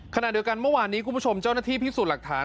ขณะเดียวกันเมื่อวานนี้คุณผู้ชมเจ้าหน้าที่พิสูจน์หลักฐาน